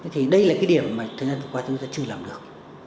thì đây là cái điểm mà thời gian vừa qua chúng ta chưa làm được